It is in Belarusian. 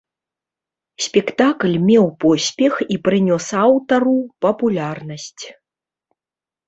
Спектакль меў поспех і прынёс аўтару папулярнасць.